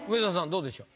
どうでしょう？